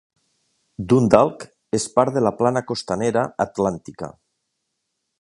Dundalk és part de la Plana Costanera Atlàntica.